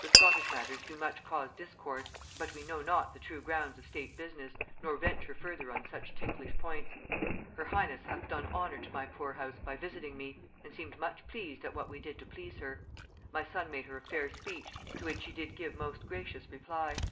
The Scottish matters do cause much discourse, but we know not the true grounds of state business, nor venture further on such ticklish points. Her highness hath done honor to my poor house by visiting me, and seemed much pleased at what we did to please her. My son made her a fair speech, to which she did give most gracious reply.